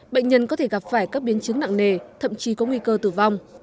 bệnh nhân có thể gặp phải các biến chứng nặng nề thậm chí có nguy cơ tử vong